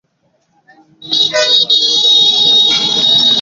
তবে নেইমার জানালেন, সেদিন অল্পের জন্য বিরাট দুর্ঘটনা থেকে বেঁচে গেছেন।